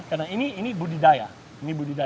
karena ini budidaya